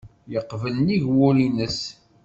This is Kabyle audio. Yeqbel nnig wul-nnes.